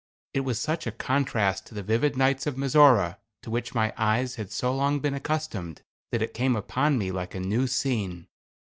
It was such a contrast to the vivid nights of Mizora, to which my eyes had so long been accustomed, that it came upon me like a new scene.